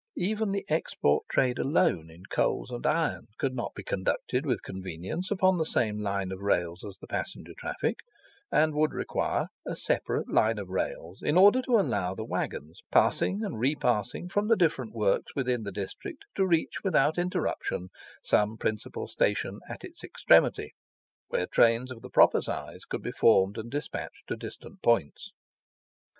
Even the export trade alone in coals and iron could not be conducted with convenience upon the same line of rails as the passenger traffic, and would require a separate line of rails in order to allow the waggons passing and repassing from the different works within the district to reach without interruption some principal station at its extremity, where trains of the proper size could be formed and dispatched to distant points.